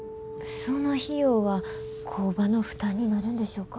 その費用は工場の負担になるんでしょうか？